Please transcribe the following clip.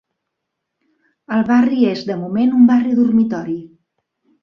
El barri és de moment un barri dormitori.